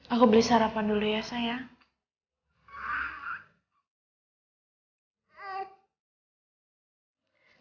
aku beli sarapan dulu ya saya